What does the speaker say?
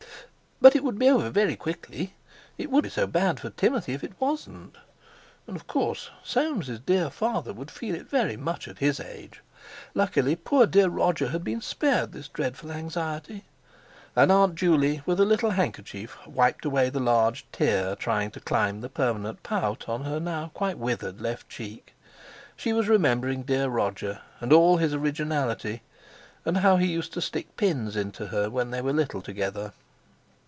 But it would be over very quickly. It would be so bad for Timothy if it wasn't. And of course Soames' dear father would feel it very much at his age. Luckily poor dear Roger had been spared this dreadful anxiety. And Aunt Juley with a little handkerchief wiped away the large tear trying to climb the permanent pout on her now quite withered left cheek; she was remembering dear Roger, and all his originality, and how he used to stick pins into her when they were little together.